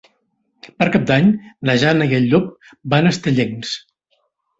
Per Cap d'Any na Jana i en Llop van a Estellencs.